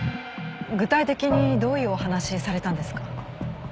具体的にどういうお話されたんですか？